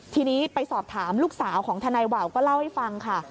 ทีนี้ไปสอบถามลูกสาวของทนายว่าวก็เล่าให้ฟังค่ะ